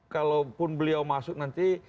kalaupun beliau masuk nanti